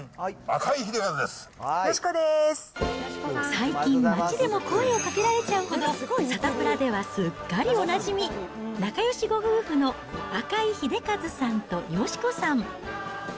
最近、街でも声をかけられちゃうほど、サタプラではすっかりおなじみ、仲よしご夫婦の赤井英和さんと佳子さん。